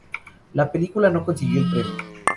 La película no consiguió el premio.